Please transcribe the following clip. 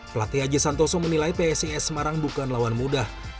pelatih haji santoso menilai psis semarang bukan lawan mudah